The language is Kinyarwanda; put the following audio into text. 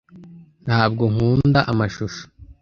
Ntabwo nkunda amashusho.